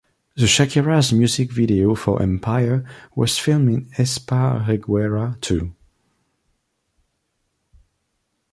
The Shakira's music video for Empire was filmed in Esparreguera too.